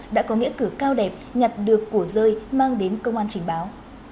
đã có nghĩa cử cao đẹp nhặt được của rơi mang đến công an trình báo